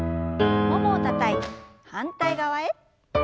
ももをたたいて反対側へ。